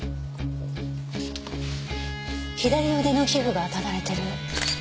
左腕の皮膚がただれてる。